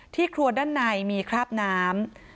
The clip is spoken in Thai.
ครัวด้านในมีคราบน้ำ